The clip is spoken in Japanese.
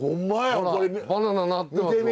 ほらバナナなってますもん。